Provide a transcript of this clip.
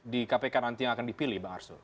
di kpk nanti yang akan dipilih mbak arso